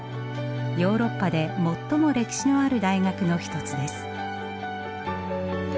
ヨーロッパで最も歴史のある大学の一つです。